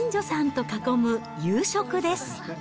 ご近所さんと囲む夕食です。